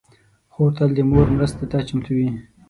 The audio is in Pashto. خور تل د مور مرستې ته چمتو وي.